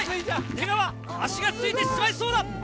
出川足がついてしまいそうだ！